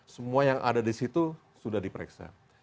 semua yang ada di situ sudah diperiksa